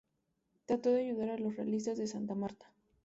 Trató de ayudar a los realistas de Santa Marta.